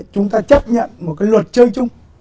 chúng ta chấp nhận một cái luật chơi chung